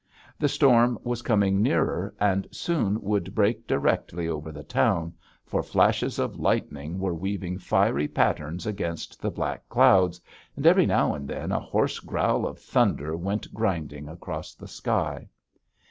The storm was coming nearer, and soon would break directly over the town, for flashes of lightning were weaving fiery patterns against the black clouds, and every now and then a hoarse growl of thunder went grinding across the sky.